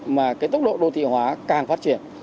mà cái tốc độ đô thị hóa càng phát triển